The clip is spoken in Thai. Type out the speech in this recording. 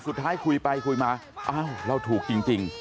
สุดท้ายคุยไปคุยมาอ้าวเราถูกจริง